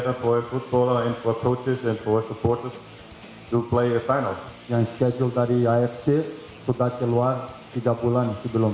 tapi bagi kita tidak ada yang harus kita menyalahkan karena semua orang senang untuk mencapai final besok